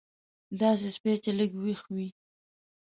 داسې سپی چې لږ وېښ وي.